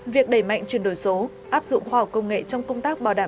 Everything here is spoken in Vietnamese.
việc đẩy mạnh chuyển đổi số áp dụng khoa học công nghệ trong công tác bảo đảm